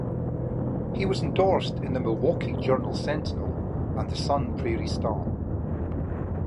He was endorsed in the "Milwaukee Journal Sentinel", and the "Sun Prairie Star".